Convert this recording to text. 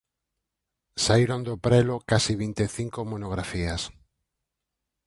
Saíron do prelo case vinte e cinco monografías.